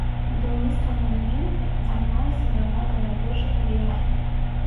Будаўніцтвам манумента займалася брыгада рабочых верфі.